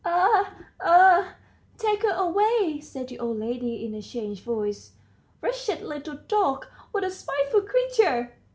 Ah! ah!" "Take her away," said the old lady in a changed voice. "Wretched little dog! What a spiteful creature!"